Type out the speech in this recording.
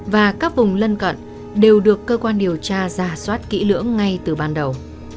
và các vùng lân cận đều được cơ quan điều tra giả soát kỹ lưỡng ngay từ ban đầu